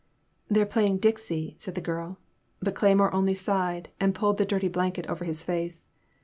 They are playing * Dixie,' " said the girl ; but Cleymore only sighed and pulled the dirty blanket over his face.